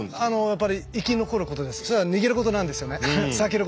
それは逃げることなんですよね。